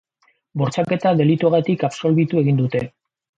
Bortxaketa delituagatik absolbitu egin dute.